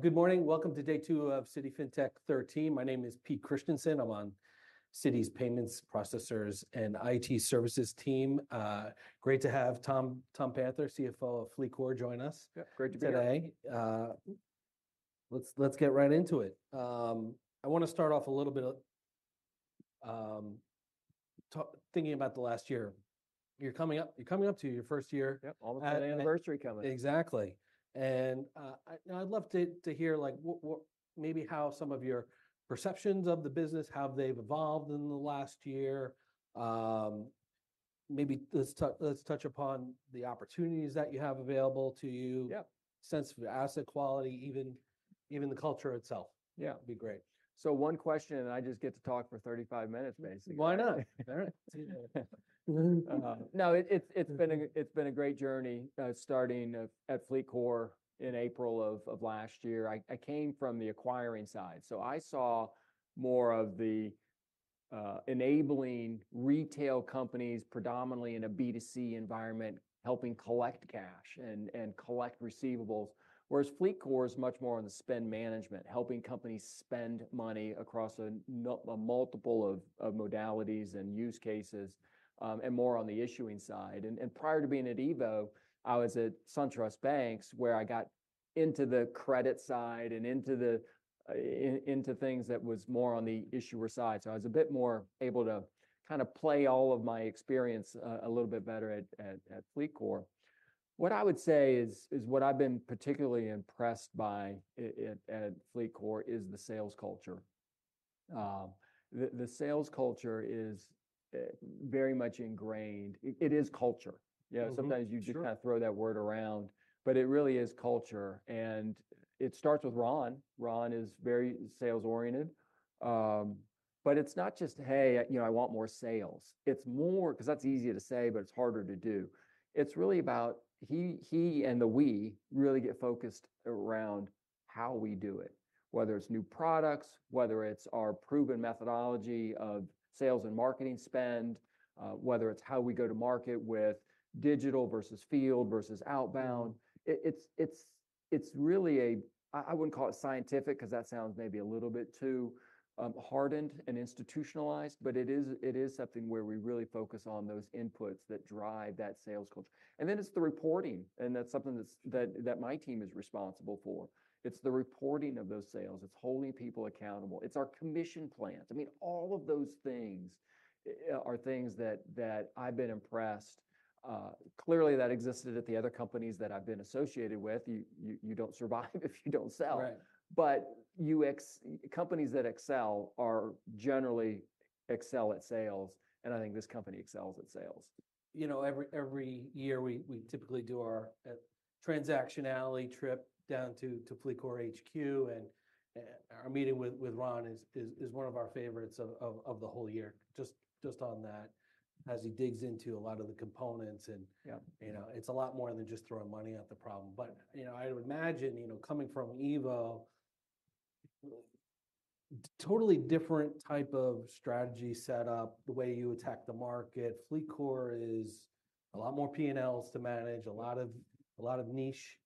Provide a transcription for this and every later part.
Good morning. Welcome to day two of Citi FinTech 13. My name is Pete Christiansen. I'm on Citi's payments, processors, and IT services team. Great to have Tom, Tom Panther, CFO of FLEETCOR, join us. Yep, great to be here. Today, let's get right into it. I want to start off a little bit of, thinking about the last year. You're coming up to your first year. Yep, almost an anniversary coming. Exactly. And, I'd love to hear, like, what maybe how some of your perceptions of the business, how they've evolved in the last year. Maybe let's touch upon the opportunities that you have available to you. Yep. Sense of asset quality, even even the culture itself. Yeah. Would be great. One question, and I just get to talk for 35 minutes, basically. Why not? All right. No, it's been a great journey, starting at FLEETCOR in April of last year. I came from the acquiring side, so I saw more of the enabling retail companies, predominantly in a B2C environment, helping collect cash and collect receivables, whereas FLEETCOR is much more on the spend management, helping companies spend money across a multiple of modalities and use cases, and more on the issuing side. And prior to being at EVO, I was at SunTrust Banks, where I got into the credit side and into things that was more on the issuer side. So I was a bit more able to kind of play all of my experience a little bit better at FLEETCOR. What I would say is what I've been particularly impressed by at FLEETCOR is the sales culture. The sales culture is very much ingrained. It is culture. You know, sometimes you just kind of throw that word around, but it really is culture. And it starts with Ron. Ron is very sales-oriented. But it's not just, "Hey, you know, I want more sales." It's more because that's easy to say, but it's harder to do. It's really about he and we really get focused around how we do it, whether it's new products, whether it's our proven methodology of sales and marketing spend, whether it's how we go to market with digital versus field versus outbound. It's really. I wouldn't call it scientific because that sounds maybe a little bit too hardened and institutionalized, but it is something where we really focus on those inputs that drive that sales culture. And then it's the reporting, and that's something that my team is responsible for. It's the reporting of those sales. It's holding people accountable. It's our commission plans. I mean, all of those things are things that I've been impressed clearly that existed at the other companies that I've been associated with. You don't survive if you don't sell. Right. But you see, companies that excel are generally excellent at sales, and I think this company excels at sales. You know, every year we typically do our transactionality trip down to FLEETCOR HQ, and our meeting with Ron is one of our favorites of the whole year, just on that, as he digs into a lot of the components. You know, it's a lot more than just throwing money at the problem. But you know, I would imagine, you know, coming from EVO, totally different type of strategy setup, the way you attack the market. FLEETCOR is a lot more P&Ls to manage, a lot of niche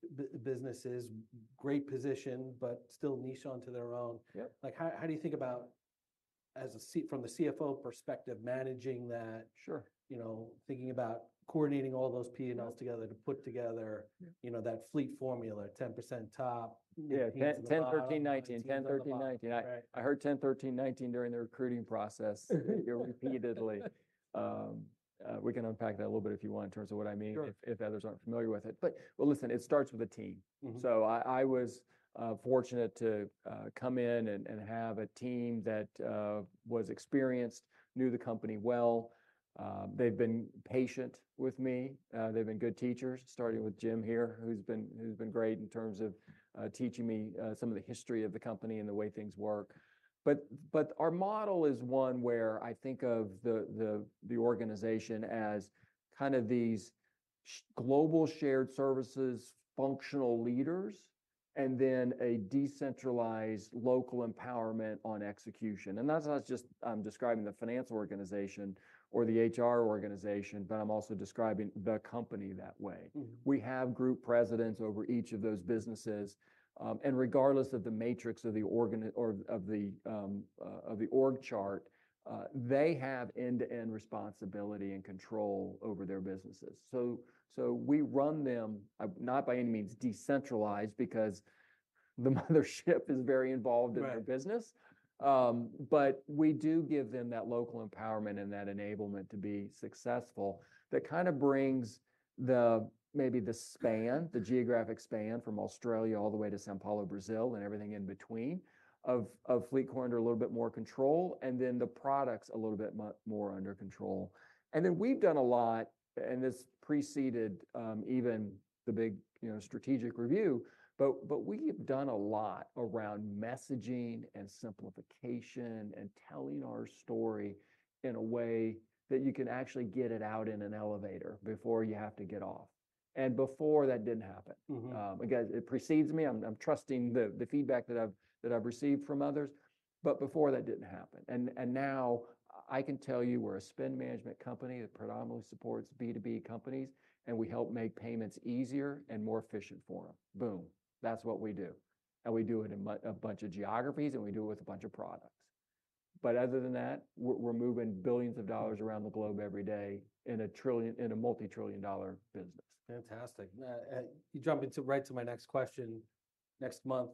businesses, great position, but still niche onto their own. Like, how do you think about, as a from the CFO perspective, managing that? Sure. You know, thinking about coordinating all those P&Ls together to put together, you know, that fleet formula, 10% top. Yeah, 10, 13, 19, 10, 13, 19. I heard 10, 13, 19 during the recruiting process here repeatedly. We can unpack that a little bit if you want, in terms of what I mean, if others aren't familiar with it. But well, listen, it starts with a team. So I was fortunate to come in and have a team that was experienced, knew the company well. They've been patient with me. They've been good teachers, starting with Jim here, who's been great in terms of teaching me some of the history of the company and the way things work. But our model is one where I think of the organization as kind of these global shared services, functional leaders, and then a decentralized local empowerment on execution. That's not just I'm describing the finance organization or the HR organization, but I'm also describing the company that way. We have group presidents over each of those businesses. Regardless of the matrix of the organization or of the org chart, they have end-to-end responsibility and control over their businesses. So we run them, not by any means decentralized, because the mothership is very involved in their business. But we do give them that local empowerment and that enablement to be successful that kind of brings the maybe the span, the geographic span from Australia all the way to São Paulo, Brazil, and everything in between of FLEETCOR under a little bit more control, and then the products a little bit more under control. And then we've done a lot, and this preceded even the big, you know, strategic review, but we have done a lot around messaging and simplification and telling our story in a way that you can actually get it out in an elevator before you have to get off. And before, that didn't happen. Again, it precedes me. I'm trusting the feedback that I've received from others. But before, that didn't happen. And now I can tell you we're a spend management company that predominantly supports B2B companies, and we help make payments easier and more efficient for them. Boom. That's what we do. And we do it in a bunch of geographies, and we do it with a bunch of products. Other than that, we're moving billions of dollars around the globe every day in a trillion in a multi-trillion dollar business. Fantastic. Now you jump right into my next question. Next month,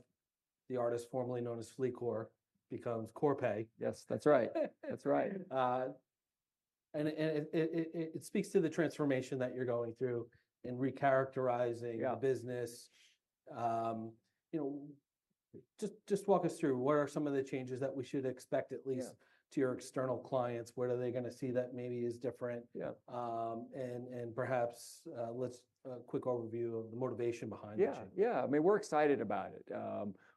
the artist formerly known as FLEETCOR becomes Corpay. Yes, that's right. That's right. It speaks to the transformation that you're going through in recharacterizing the business. You know, just walk us through. What are some of the changes that we should expect, at least to your external clients? What are they going to see that maybe is different? And perhaps let's have a quick overview of the motivation behind the change. Yeah. Yeah. I mean, we're excited about it.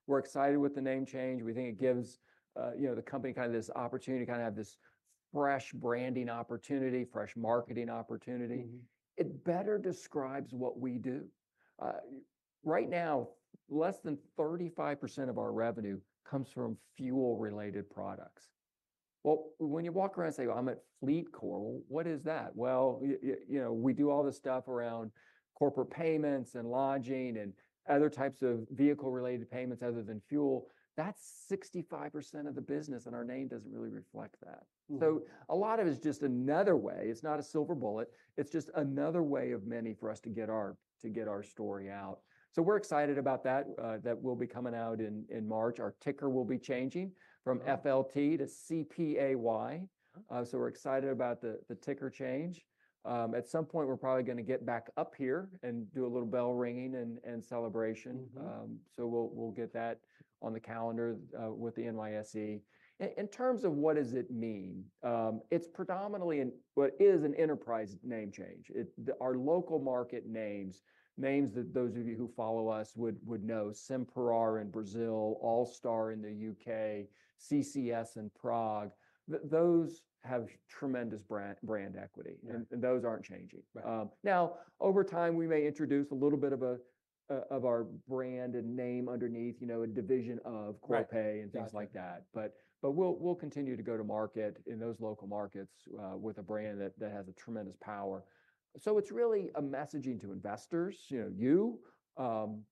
We're excited with the name change. We think it gives, you know, the company kind of this opportunity, kind of have this fresh branding opportunity, fresh marketing opportunity. It better describes what we do. Right now, less than 35% of our revenue comes from fuel-related products. Well, when you walk around and say, "I'm at FLEETCOR," well, what is that? Well, you know, we do all this stuff around corporate payments and lodging and other types of vehicle-related payments other than fuel. That's 65% of the business, and our name doesn't really reflect that. So a lot of it is just another way. It's not a silver bullet. It's just another way of many for us to get our to get our story out. So we're excited about that, that we'll be coming out in in March. Our ticker will be changing from FLT to CPAY. So we're excited about the ticker change. At some point, we're probably going to get back up here and do a little bell ringing and celebration. So we'll get that on the calendar with the NYSE. In terms of what does it mean, it's predominantly an enterprise name change. It's our local market names, names that those of you who follow us would know, Sem Parar in Brazil, Allstar in the UK, CCS in Prague, those have tremendous brand equity, and those aren't changing. Now, over time, we may introduce a little bit of our brand and name underneath, you know, a division of Corpay and things like that. But we'll continue to go to market in those local markets with a brand that has a tremendous power. So it's really a messaging to investors, you know, you,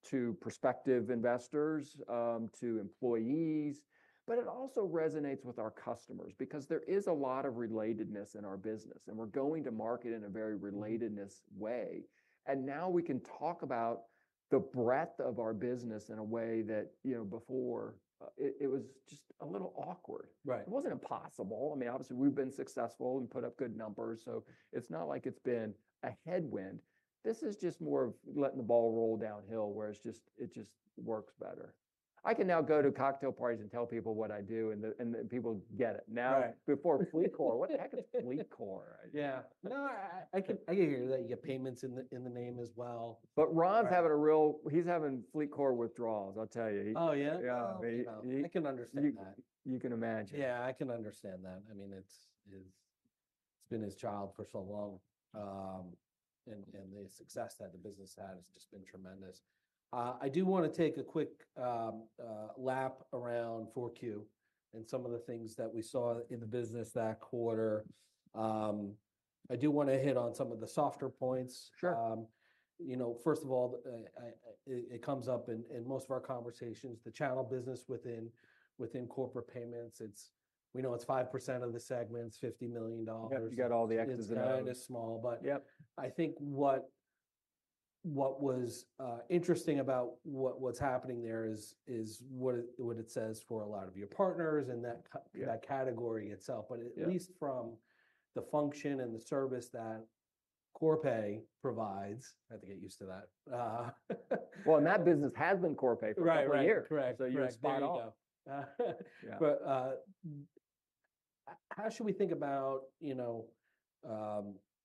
to prospective investors, to employees. But it also resonates with our customers because there is a lot of relatedness in our business, and we're going to market in a very relatedness way. And now we can talk about the breadth of our business in a way that, you know, before, it it was just a little awkward. It wasn't impossible. I mean, obviously, we've been successful and put up good numbers, so it's not like it's been a headwind. This is just more of letting the ball roll downhill, where it's just it just works better. I can now go to cocktail parties and tell people what I do, and the and people get it. Now, before FLEETCOR, what the heck is FLEETCOR? Yeah. No, I can hear that. You get payments in the name as well. But Ron's having a real FLEETCOR withdrawals, I'll tell you. Oh, yeah? Yeah. I can understand that. You can imagine. Yeah, I can understand that. I mean, it's been his child for so long. And the success that the business had has just been tremendous. I do want to take a quick lap around 4Q and some of the things that we saw in the business that quarter. I do want to hit on some of the softer points. You know, first of all, it comes up in most of our conversations, the channel business within corporate payments. It's we know it's 5% of the segments, $50 million. You got all the Xs in that. It's kind of small. But I think what was interesting about what's happening there is what it says for a lot of your partners and that category itself, but at least from the function and the service that Corpay provides. I have to get used to that. Well, that business has been Corpay for over a year. Right. Right. So you're spot on. Yeah. But how should we think about, you know,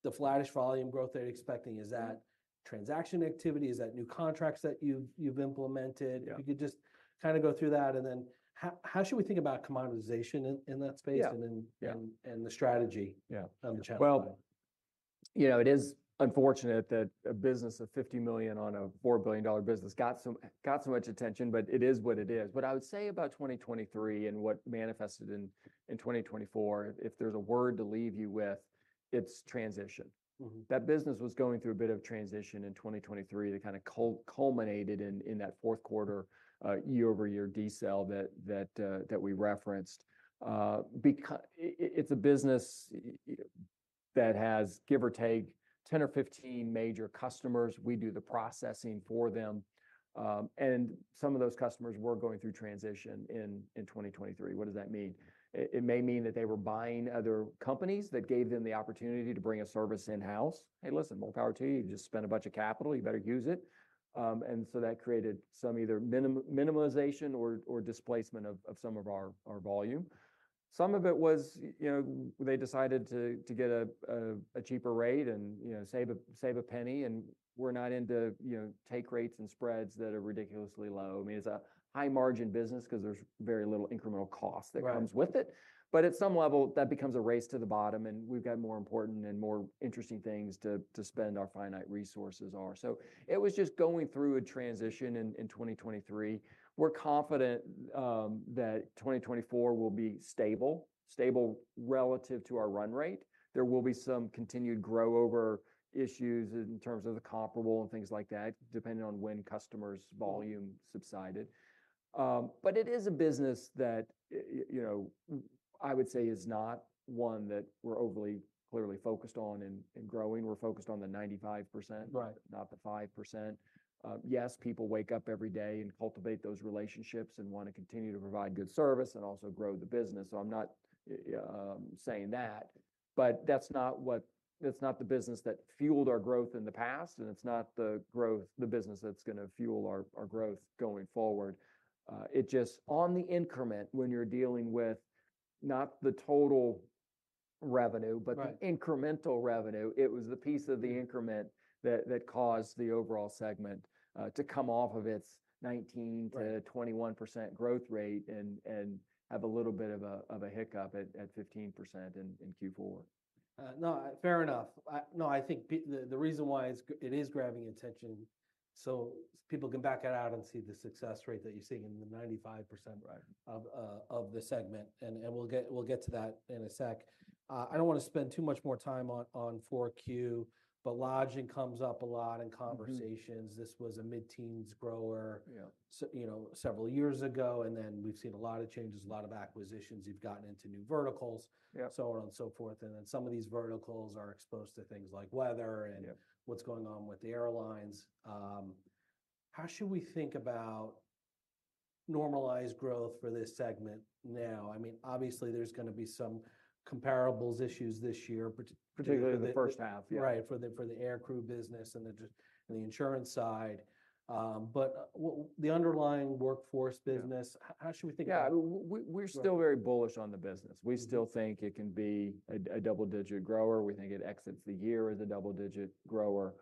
the flattish volume growth they're expecting? Is that transaction activity? Is that new contracts that you've implemented? If you could just kind of go through that. And then how should we think about commoditization in that space and the strategy on the channel? Yeah. Well, you know, it is unfortunate that a business of $50 million on a $4 billion business got so much attention, but it is what it is. But I would say about 2023 and what manifested in 2024, if there's a word to leave you with, it's transition. That business was going through a bit of transition in 2023. It kind of culminated in that fourth quarter, year-over-year decline that we referenced. It's a business that has, give or take, 10 or 15 major customers. We do the processing for them. And some of those customers were going through transition in 2023. What does that mean? It may mean that they were buying other companies that gave them the opportunity to bring a service in-house. Hey, listen, more power to you. You just spent a bunch of capital. You better use it. And so that created some either minimization or displacement of some of our volume. Some of it was, you know, they decided to get a cheaper rate and, you know, save a penny. And we're not into, you know, take rates and spreads that are ridiculously low. I mean, it's a high-margin business because there's very little incremental cost that comes with it. But at some level, that becomes a race to the bottom, and we've got more important and more interesting things to spend our finite resources on. So it was just going through a transition in 2023. We're confident that 2024 will be stable relative to our run rate. There will be some continued growover issues in terms of the comparable and things like that, depending on when customers' volume subsided. But it is a business that, you know, I would say is not one that we're overly clearly focused on and growing. We're focused on the 95%, not the 5%. Yes, people wake up every day and cultivate those relationships and want to continue to provide good service and also grow the business. So I'm not saying that. But that's not what that's not the business that fueled our growth in the past, and it's not the growth the business that's going to fuel our growth going forward. It just on the increment, when you're dealing with not the total revenue, but the incremental revenue, it was the piece of the increment that caused the overall segment to come off of its 19%-21% growth rate and have a little bit of a hiccup at 15% in Q4. No, fair enough. No, I think the reason why it is grabbing attention, so people can back it out and see the success rate that you're seeing in the 95% of the segment. And we'll get to that in a sec. I don't want to spend too much more time on 4Q, but lodging comes up a lot in conversations. This was a mid-teens grower, you know, several years ago. And then we've seen a lot of changes, a lot of acquisitions. You've gotten into new verticals, so on and so forth. And then some of these verticals are exposed to things like weather and what's going on with the airlines. How should we think about normalized growth for this segment now? I mean, obviously, there's going to be some comparables issues this year. Particularly the first half. Yeah. Right. For the air crew business and the insurance side. But the underlying workforce business, how should we think about that? Yeah. I mean, we're still very bullish on the business. We still think it can be a double-digit grower. We think it exits the year as a double-digit grower.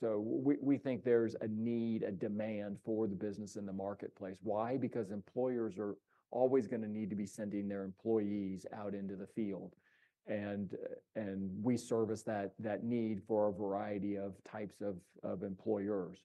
So we think there's a need, a demand for the business in the marketplace. Why? Because employers are always going to need to be sending their employees out into the field. And we service that need for a variety of types of employers.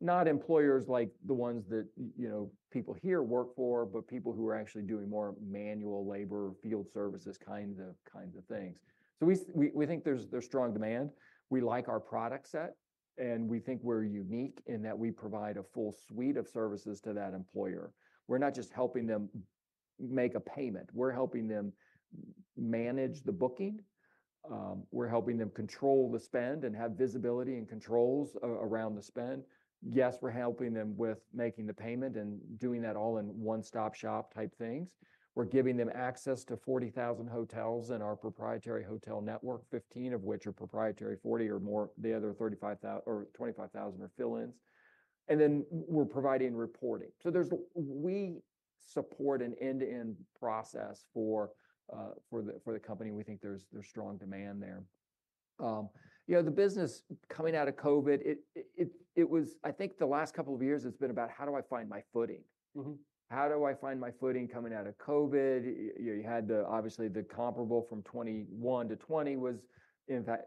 Not employers like the ones that, you know, people here work for, but people who are actually doing more manual labor, field services kinds of things. So we think there's strong demand. We like our product set, and we think we're unique in that we provide a full suite of services to that employer. We're not just helping them make a payment. We're helping them manage the booking. We're helping them control the spend and have visibility and controls around the spend. Yes, we're helping them with making the payment and doing that all in one-stop shop type things. We're giving them access to 40,000 hotels in our proprietary hotel network, 15 of which are proprietary, 40 or more, the other 35,000 or 25,000 are fill-ins. And then we're providing reporting. So we support an end-to-end process for the company. We think there's strong demand there. You know, the business coming out of COVID, it was I think the last couple of years, it's been about, how do I find my footing? How do I find my footing coming out of COVID? You know, you had the obviously, the comparable from 2021 to 2020 was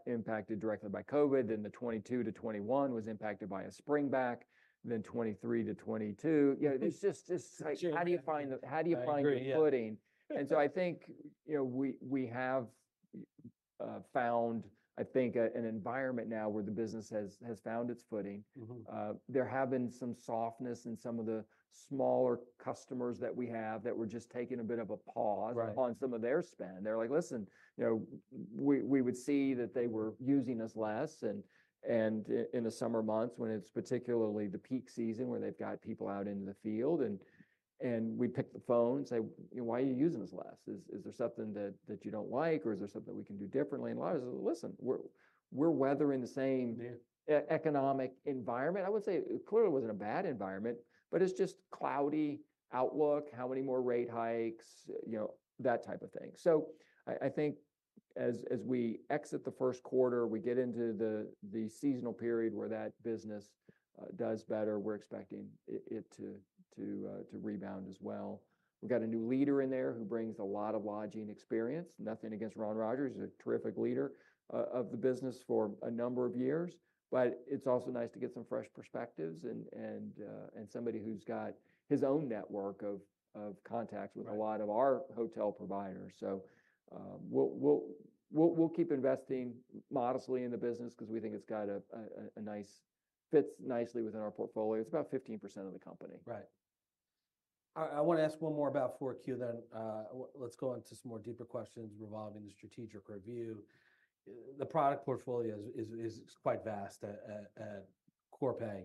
impacted directly by COVID. Then the 2022 to 2021 was impacted by a springback. Then 2023 to 2022. You know, it's just like, how do you find your footing? And so I think, you know, we have found, I think, an environment now where the business has found its footing. There have been some softness in some of the smaller customers that we have that were just taking a bit of a pause on some of their spend. They're like, listen, you know, we would see that they were using us less and in the summer months when it's particularly the peak season where they've got people out into the field. And we'd pick up the phone and say, you know, why are you using us less? Is there something that you don't like, or is there something that we can do differently? And a lot of it is, listen, we're weathering the same economic environment. I would say it clearly wasn't a bad environment, but it's just cloudy outlook. How many more rate hikes? You know, that type of thing. So I think as we exit the first quarter, we get into the seasonal period where that business does better. We're expecting it to rebound as well. We've got a new leader in there who brings a lot of lodging experience. Nothing against Ron Rogers. He's a terrific leader of the business for a number of years. But it's also nice to get some fresh perspectives and somebody who's got his own network of contacts with a lot of our hotel providers. So we'll keep investing modestly in the business because we think it's got a nice fit. It fits nicely within our portfolio. It's about 15% of the company. Right. I want to ask one more about 4Q then. Let's go into some more deeper questions revolving the strategic review. The product portfolio is quite vast at Corpay.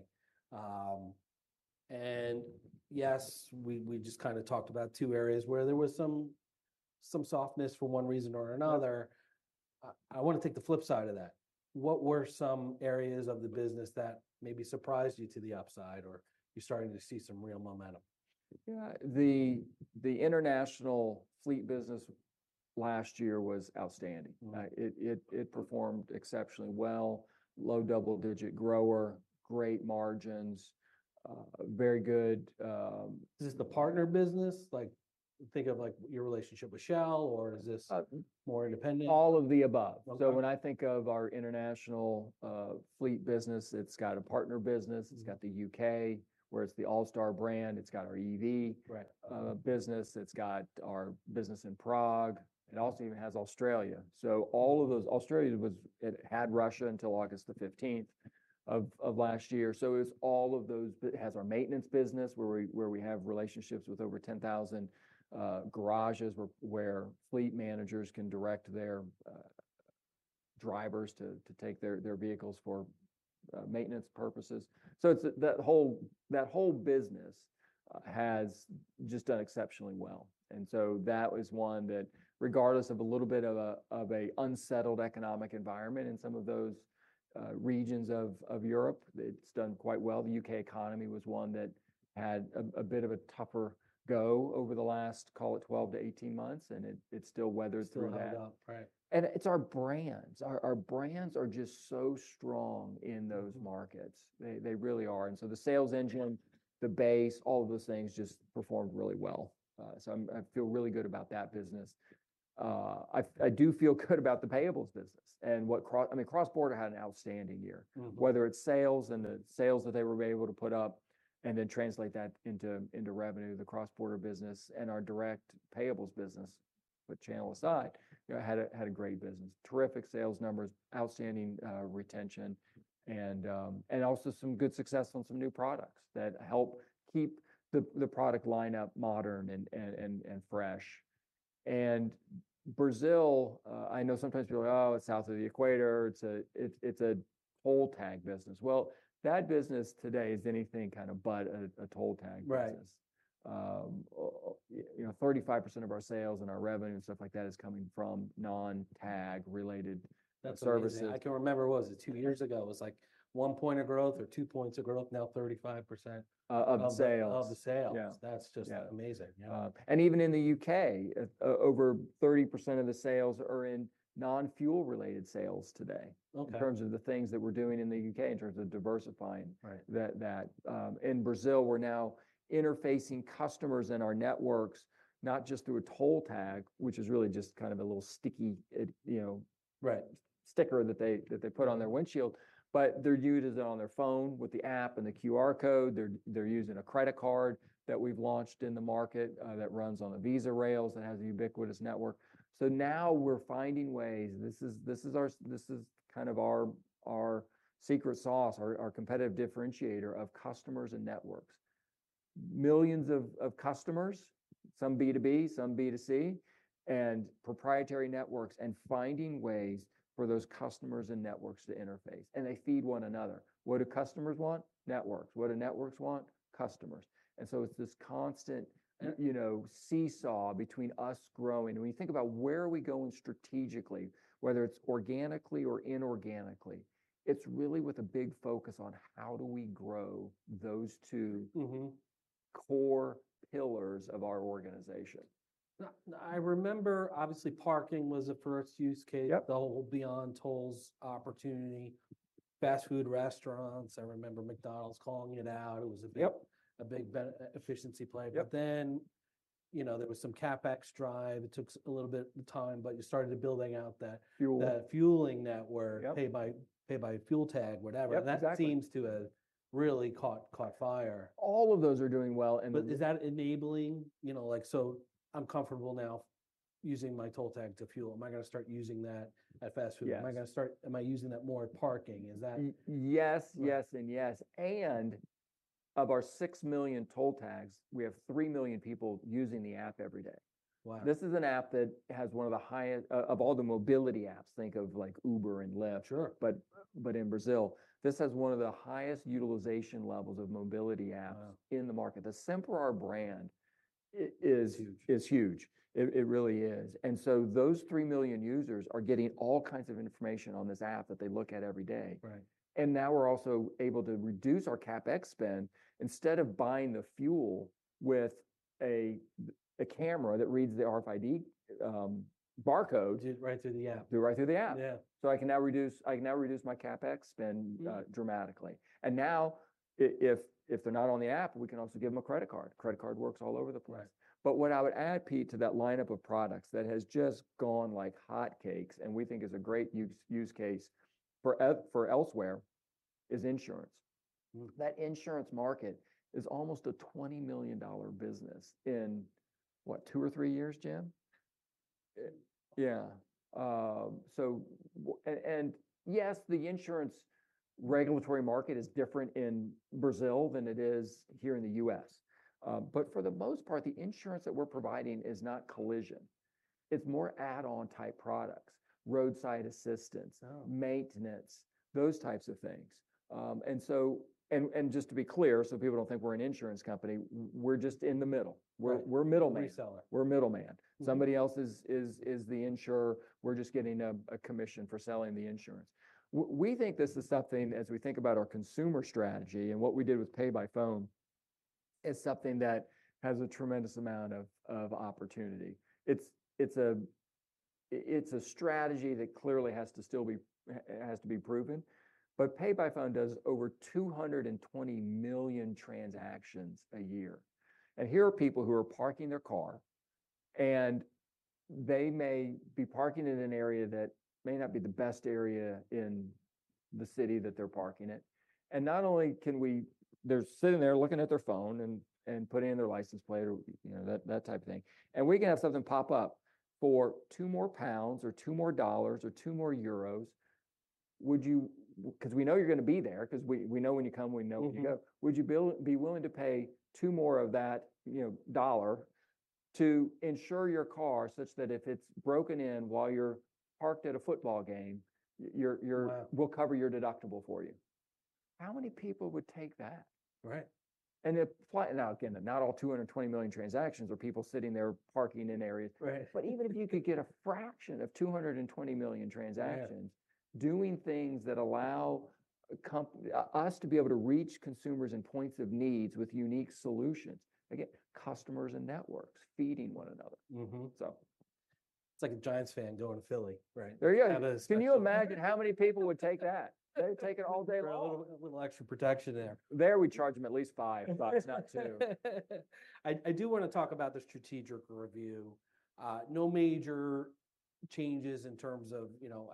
And yes, we just kind of talked about two areas where there was some softness for one reason or another. I want to take the flip side of that. What were some areas of the business that maybe surprised you to the upside or you're starting to see some real momentum? Yeah. The international fleet business last year was outstanding. It performed exceptionally well. Low double-digit grower, great margins, very good. Is this the partner business? Like, think of like your relationship with Shell, or is this more independent? All of the above. So when I think of our international fleet business, it's got a partner business. It's got the U.K., where it's the All-Star brand. It's got our EV business. It's got our business in Prague. It also even has Australia. So all of those. Australia – it had Russia until August the 15th of last year. So it was all of those has our maintenance business where we have relationships with over 10,000 garages where fleet managers can direct their drivers to take their vehicles for maintenance purposes. So it's that whole business has just done exceptionally well. And so that was one that regardless of a little bit of an unsettled economic environment in some of those regions of Europe, it's done quite well. The U.K. economy was one that had a bit of a tougher go over the last, call it, 12-18 months, and it still weathers through that. It's still held up. Right. It's our brands. Our brands are just so strong in those markets. They really are. And so the sales engine, the base, all of those things just performed really well. So I feel really good about that business. I do feel good about the payables business and what I mean, Cross-Border had an outstanding year, whether it's sales and the sales that they were able to put up and then translate that into revenue, the Cross-Border business and our direct payables business, but channel aside, you know, had a great business, terrific sales numbers, outstanding retention, and also some good success on some new products that help keep the product lineup modern and fresh. And Brazil, I know sometimes people are like, oh, it's south of the equator. It's a toll tag business. Well, that business today is anything kind of but a toll tag business. You know, 35% of our sales and our revenue and stuff like that is coming from non-tag-related services. That's amazing. I can remember it was, it was two years ago. It was like one point of growth or two points of growth. Now 35% of sales. Of sales. That's just amazing. Yeah. Even in the UK, over 30% of the sales are in non-fuel-related sales today in terms of the things that we're doing in the UK, in terms of diversifying that. In Brazil, we're now interfacing customers in our networks, not just through a toll tag, which is really just kind of a little sticky, you know, sticker that they put on their windshield, but they're using it on their phone with the app and the QR code. They're using a credit card that we've launched in the market that runs on the Visa rails that has a ubiquitous network. So now we're finding ways. This is our, this is kind of our secret sauce, our competitive differentiator of customers and networks. Millions of customers, some B2B, some B2C, and proprietary networks, and finding ways for those customers and networks to interface. They feed one another. What do customers want? Networks. What do networks want? Customers. So it's this constant, you know, seesaw between us growing. When you think about where are we going strategically, whether it's organically or inorganically, it's really with a big focus on how do we grow those two core pillars of our organization. I remember, obviously, parking was a first use case, the whole Beyond Tolls opportunity, fast food restaurants. I remember McDonald's calling it out. It was a big efficiency play. But then, you know, there was some CapEx drive. It took a little bit of time, but you started building out that fueling network, pay by fuel tag, whatever. And that seems to have really caught fire. All of those are doing well. But is that enabling, you know, like, so I'm comfortable now using my toll tag to fuel. Am I going to start using that at fast food? Am I going to start using that more at parking? Is that? Yes, yes, and yes. And of our 6 million toll tags, we have 3 million people using the app every day. Wow! This is an app that has one of the highest of all the mobility apps. Think of like Uber and Lyft, but in Brazil, this has one of the highest utilization levels of mobility apps in the market. The Sem Parar brand is huge. It really is. And so those 3 million users are getting all kinds of information on this app that they look at every day. And now we're also able to reduce our CapEx spend instead of buying the fuel with a camera that reads the RFID barcode. Right through the app. Go right through the app. Yeah! So I can now reduce my CapEx spend dramatically. Now if they're not on the app, we can also give them a credit card. Credit card works all over the place. But what I would add, Pete, to that lineup of products that has just gone like hotcakes and we think is a great use case for elsewhere is insurance. That insurance market is almost a $20 million business in what, two or three years, Jim? Yeah. Yeah. So, yes, the insurance regulatory market is different in Brazil than it is here in the U.S. But for the most part, the insurance that we're providing is not collision. It's more add-on type products, roadside assistance, maintenance, those types of things. And so, just to be clear, so people don't think we're an insurance company, we're just in the middle. We're middleman. Somebody else is the insurer. We're just getting a commission for selling the insurance. We think this is something, as we think about our consumer strategy and what we did with PayByPhone, is something that has a tremendous amount of opportunity. It's a strategy that clearly still has to be proven. But PayByPhone does over 220 million transactions a year. Here are people who are parking their car, and they may be parking in an area that may not be the best area in the city that they're parking it. Not only can we. They're sitting there looking at their phone and putting in their license plate or, you know, that type of thing. We can have something pop up for two more GBP or $2 more or 2 more EUR. Would you, because we know you're going to be there because we know when you come, we know when you go. Would you be willing to pay two more of that, you know, dollar to ensure your car such that if it's broken in while you're parked at a football game, you're we'll cover your deductible for you? How many people would take that? Right? And now again, not all 220 million transactions are people sitting there parking in areas. But even if you could get a fraction of 220 million transactions doing things that allow us to be able to reach consumers in points of needs with unique solutions. Again, customers and networks feeding one another. So. It's like a Giants fan going to Philly, right? There you go. Can you imagine how many people would take that? They'd take it all day long. A little extra protection there. There we charge them at least $5, not $2. I do want to talk about the strategic review. No major changes in terms of, you know,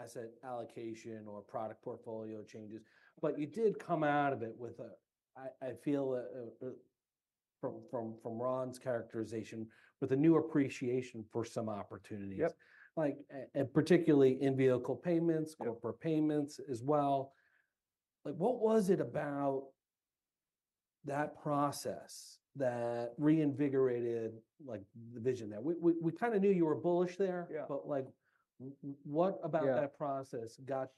asset allocation or product portfolio changes. But you did come out of it with a I feel from Ron's characterization with a new appreciation for some opportunities, like and particularly in-vehicle payments, corporate payments as well. Like, what was it about that process that reinvigorated, like, the vision there? We kind of knew you were bullish there, but like, what about that process got,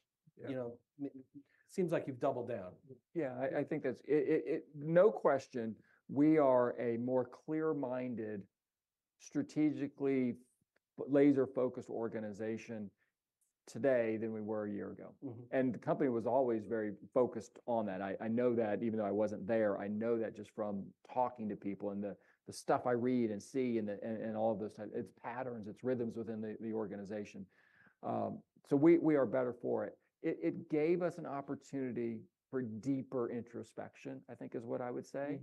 you know, seems like you've doubled down? Yeah. I think that's it, no question, we are a more clear-minded, strategically laser-focused organization today than we were a year ago. And the company was always very focused on that. I know that even though I wasn't there, I know that just from talking to people and the stuff I read and see and all of those types, it's patterns, it's rhythms within the organization. So we are better for it. It gave us an opportunity for deeper introspection, I think, is what I would say.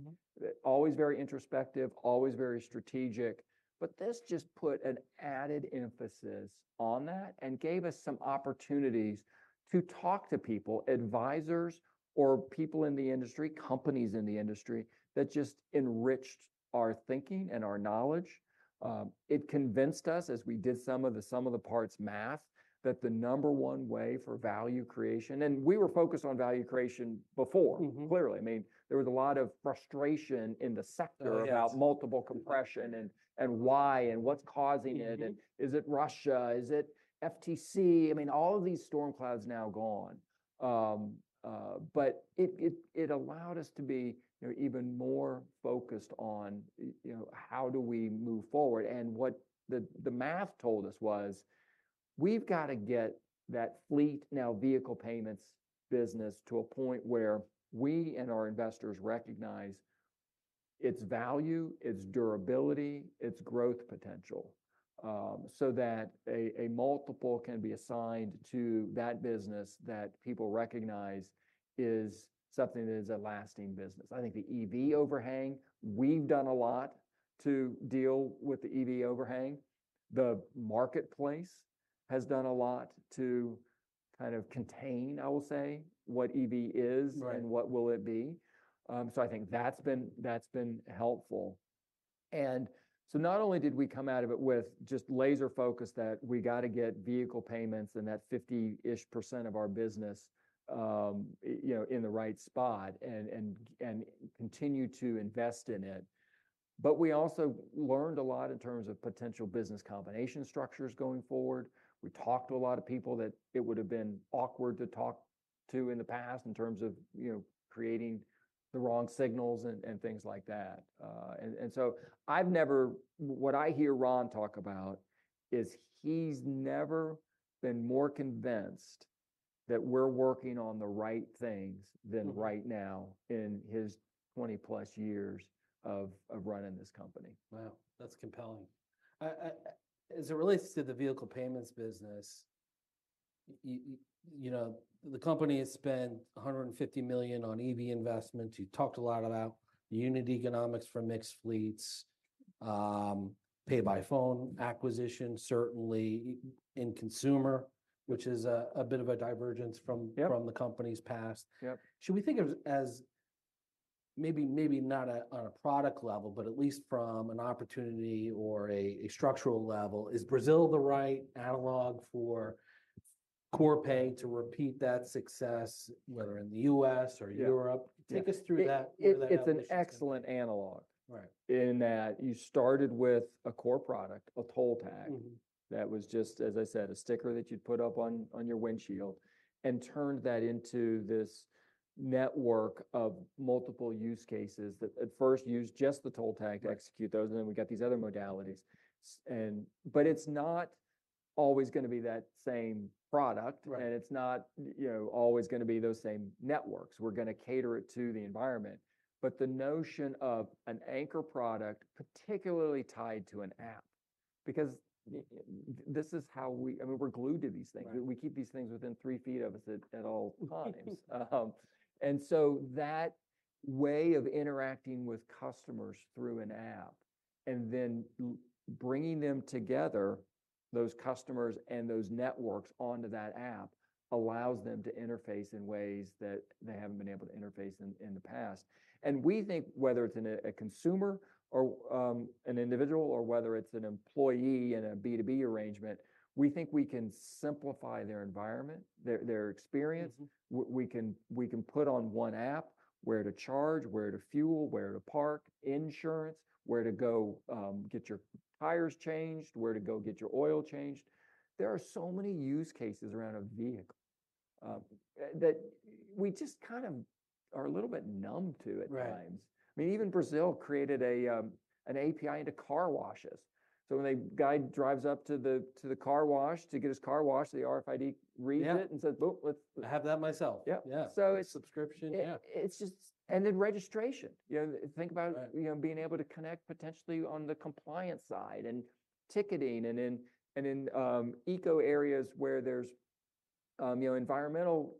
Always very introspective, always very strategic. But this just put an added emphasis on that and gave us some opportunities to talk to people, advisors, or people in the industry, companies in the industry that just enriched our thinking and our knowledge. It convinced us, as we did some of the parts math, that the number one way for value creation and we were focused on value creation before, clearly. I mean, there was a lot of frustration in the sector about multiple compression and why and what's causing it. And is it Russia? Is it FTC? I mean, all of these storm clouds now gone. But it allowed us to be, you know, even more focused on, you know, how do we move forward? And what the math told us was we've got to get that fleet now vehicle payments business to a point where we and our investors recognize its value, its durability, its growth potential so that a multiple can be assigned to that business that people recognize is something that is a lasting business. I think the EV overhang, we've done a lot to deal with the EV overhang. The marketplace has done a lot to kind of contain, I will say, what EV is and what will it be. So I think that's been helpful. And so not only did we come out of it with just laser focus that we got to get vehicle payments and that 50%-ish% of our business, you know, in the right spot and continue to invest in it, but we also learned a lot in terms of potential business combination structures going forward. We talked to a lot of people that it would have been awkward to talk to in the past in terms of, you know, creating the wrong signals and things like that. So what I hear Ron talk about is he's never been more convinced that we're working on the right things than right now in his 20+ years of running this company. Wow. That's compelling. As it relates to the vehicle payments business, you know, the company has spent $150 million on EV investment. You talked a lot about unit economics for mixed fleets, PayByPhone acquisition certainly, and consumer, which is a bit of a divergence from the company's past. Should we think of as maybe not on a product level, but at least from an opportunity or a structural level, is Brazil the right analog for Corpay to repeat that success, whether in the U.S. or Europe? Take us through that where that happened? It's an excellent analog right in that you started with a core product, a toll tag that was just, as I said, a sticker that you'd put up on your windshield and turned that into this network of multiple use cases that at first used just the toll tag to execute those. And then we got these other modalities. And but it's not always going to be that same product. And it's not, you know, always going to be those same networks. We're going to cater it to the environment. But the notion of an anchor product, particularly tied to an app, because this is how we I mean, we're glued to these things. We keep these things within three feet of us at all times. And so that way of interacting with customers through an app and then bringing them together, those customers and those networks onto that app, allows them to interface in ways that they haven't been able to interface in the past. And we think whether it's a consumer or an individual or whether it's an employee in a B2B arrangement, we think we can simplify their environment, their experience. We can put on one app where to charge, where to fuel, where to park, insurance, where to go get your tires changed, where to go get your oil changed. There are so many use cases around a vehicle that we just kind of are a little bit numb to at times. I mean, even Brazil created an API into car washes. When a guy drives up to the car wash to get his car washed, the RFID reads it and says, "Boop, let's. Have that myself. Yeah. Yeah. Subscription. Yeah. It's just and then registration. You know, think about, you know, being able to connect potentially on the compliance side and ticketing and in and in eco areas where there's, you know, environmental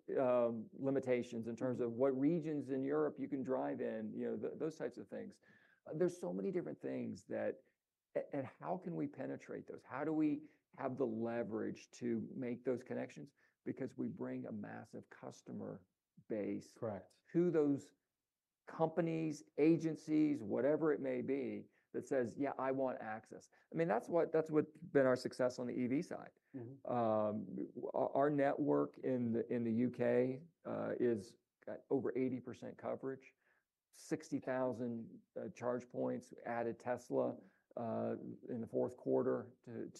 limitations in terms of what regions in Europe you can drive in, you know, those types of things. There's so many different things that and how can we penetrate those? How do we have the leverage to make those connections? Because we bring a massive customer base to those companies, agencies, whatever it may be that says, "Yeah, I want access." I mean, that's what that's what's been our success on the EV side. Our network in the UK is got over 80% coverage, 60,000 charge points, added Tesla in the fourth quarter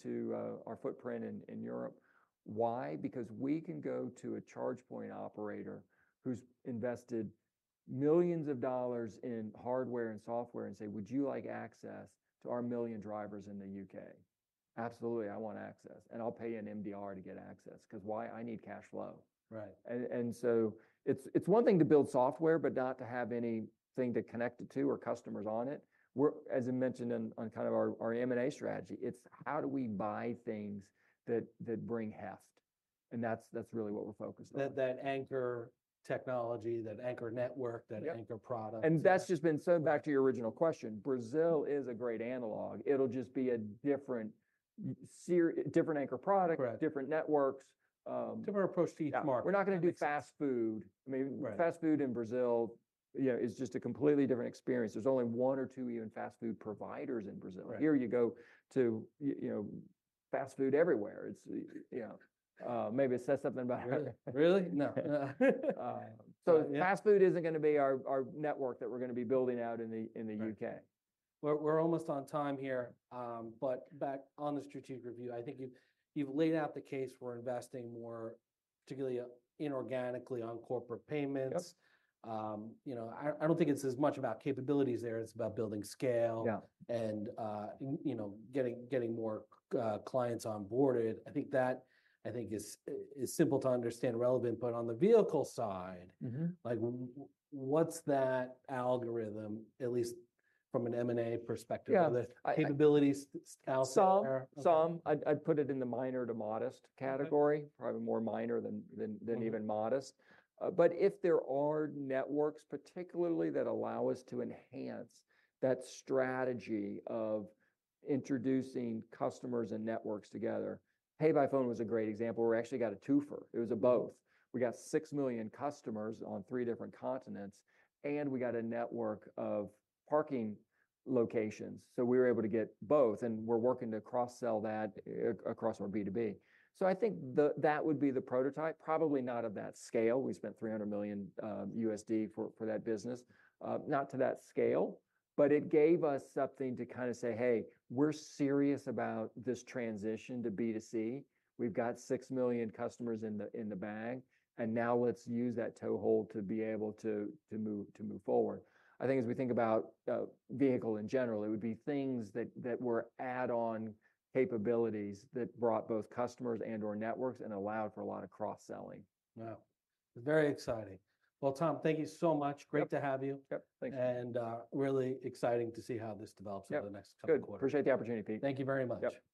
to our footprint in Europe. Why? Because we can go to a charge point operator who's invested millions of dollars in hardware and software and say, "Would you like access to our 1 million drivers in the U.K.?" Absolutely. I want access. And I'll pay an MDR to get access because why? I need cash flow. Right? And so it's one thing to build software, but not to have anything to connect it to or customers on it. We're, as I mentioned on kind of our M&A strategy, it's how do we buy things that bring heft? And that's really what we're focused on. That anchor technology, that anchor network, that anchor product. That's just been so back to your original question. Brazil is a great analog. It'll just be a different series, different anchor product, different networks. Different approach to each market. We're not going to do fast food. I mean, fast food in Brazil, you know, is just a completely different experience. There's only one or two even fast food providers in Brazil. Here you go to, you know, fast food everywhere. It's, you know, maybe it says something about it. Really? No. So fast food isn't going to be our network that we're going to be building out in the U.K. We're almost on time here, but back on the strategic review, I think you've laid out the case for investing more particularly inorganically on corporate payments. You know, I don't think it's as much about capabilities there. It's about building scale and, you know, getting more clients onboarded. I think that is simple to understand, relevant. But on the vehicle side, like, what's that algorithm, at least from an M&A perspective, the capabilities out there? Some. I'd put it in the minor to modest category, probably more minor than even modest. But if there are networks, particularly that allow us to enhance that strategy of introducing customers and networks together, Pay by Phone was a great example. We actually got a two-fer. It was a both. We got six million customers on three different continents, and we got a network of parking locations. So we were able to get both, and we're working to cross-sell that across our B2B. So I think that would be the prototype, probably not of that scale. We spent $300 million for that business, not to that scale, but it gave us something to kind of say, "Hey, we're serious about this transition to B2C. We've got 6 million customers in the bag, and now let's use that toehold to be able to move forward." I think as we think about vehicle in general, it would be things that were add-on capabilities that brought both customers and/or networks and allowed for a lot of cross-selling. Wow. Very exciting. Well, Tom, thank you so much. Great to have you. Yep. Thanks. Really exciting to see how this develops over the next couple of quarters. Good. Appreciate the opportunity, Pete. Thank you very much. Yep. Thanks.